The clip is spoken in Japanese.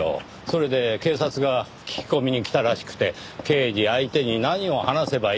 それで警察が聞き込みに来たらしくて刑事相手に何を話せばいいのかと。